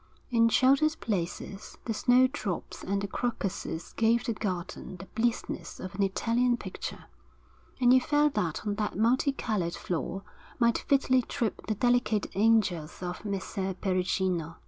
In sheltered places the snowdrops and the crocuses gave the garden the blitheness of an Italian picture; and you felt that on that multi coloured floor might fitly trip the delicate angels of Messer Perugino.